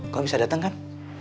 kamu bisa dateng kan